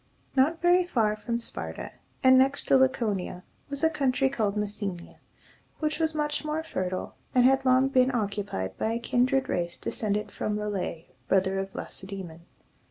Not very far from Sparta, and next to Laconia, was a country called Mes se´ni a, which was much more fertile, and had long been occupied by a kindred race descended from Le´lex, brother of Lacedæmon.